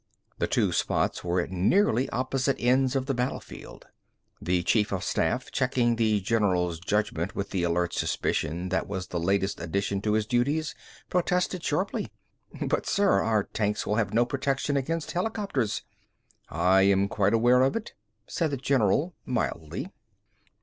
The two spots were at nearly opposite ends of the battle field. The chief of staff, checking the general's judgment with the alert suspicion that was the latest addition to his duties, protested sharply. "But sir, our tanks will have no protection against helicopters!" "I am quite aware of it," said the general mildly.